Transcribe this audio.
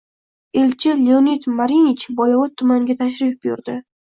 Elchi Leonid Marinich Boyovut tumaniga tashrif buyurding